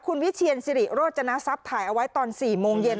คุณวิเชียนสิริโรจนทรัพย์ถ่ายเอาไว้ตอน๔โมงเย็น